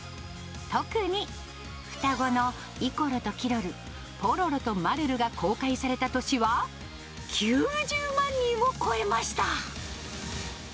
特に、双子のイコロとキロル、ポロロとマルルが公開された年は、９０万人を超えました。